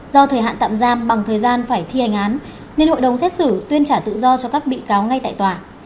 do thời hạn tạm giam bằng thời gian phải thi hành án nên hội đồng xét xử tuyên trả tự do cho các bị cáo ngay tại tòa